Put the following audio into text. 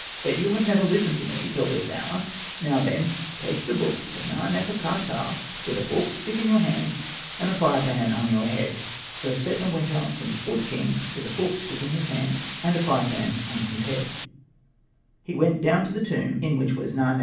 But you have never listened to me till this hour. Now, then, take the book to Na.nefer.ka.ptah, with a forked stick in your hand, and a fire pan on your head.'' So Setna went out from before the king, with a forked stick in his hand, and a fire Hosted by Google SETNA AND THE MAGIC BOOK 115 pan on his head. He went down to the tomb in which was Na.